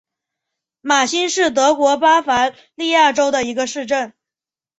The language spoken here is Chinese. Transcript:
马兴是德国巴伐利亚州的一个市镇。